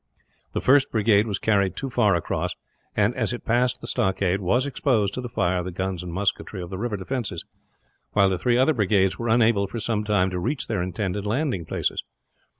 The first brigade was carried too far across and, as it passed the stockade, was exposed to the fire of the guns and musketry of the river defences; while the three other brigades were unable, for some time, to reach their intended landing places.